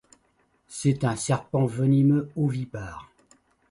C'est un serpent venimeux ovipare.